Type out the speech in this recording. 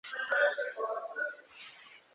Uzajyana ururabo kuri Kate?